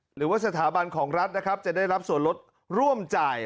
หรือว่าสถาบันของรัฐนะครับจะได้รับส่วนลดร่วมจ่าย